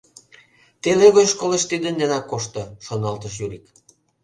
Теле гоч школыш тидын денак кошто, — шоналтыш Юрик.